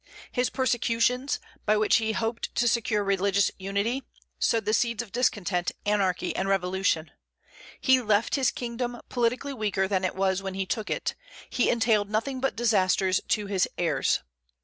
His persecutions, by which he hoped to secure religious unity, sowed the seeds of discontent, anarchy, and revolution. He left his kingdom politically weaker than it was when he took it; he entailed nothing but disasters to his heirs.